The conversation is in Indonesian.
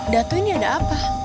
dato ini ada apa